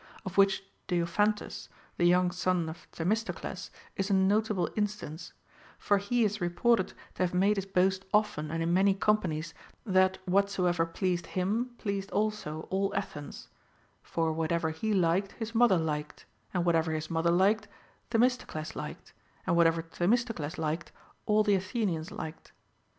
Of which Diophantus, the young son of Themistocles, is a notable instance ; for he is reported to have made his boast often and in many compa nies, that whatsoever pleased him pleased also all Athens : for whatever he liked, his mother liked ; and whatever his mother liked, Themistocles liked ; and whatever Themisto cles liked, all the Athenians liked.